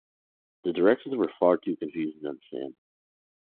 The directions were far too confusing to understand.